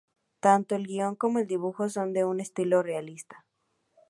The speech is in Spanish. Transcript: Tanto el guion como el dibujo son de un estilo realista.